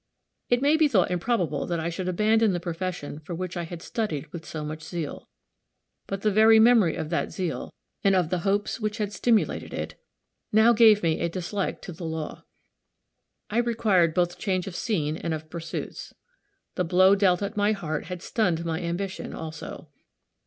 It may be thought improbable that I should abandon the profession for which I had studied with so much zeal. But, the very memory of that zeal, and of the hopes which had stimulated it, now gave me a dislike to the law. I required both change of scene and of pursuits. The blow dealt at my heart had stunned my ambition, also.